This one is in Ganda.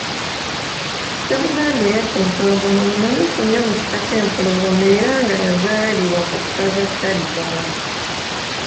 Ssebuganda eyatta empologoma mumanyifu nnyo mu kika ky’Empologoma era nga yazaalibwa mu ssaza Kyaddondo.